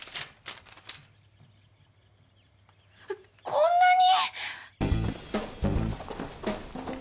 こんなに！？